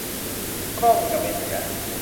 กล้องจะไม่เสีย